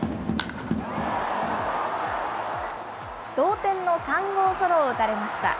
同点の３号ソロを打たれました。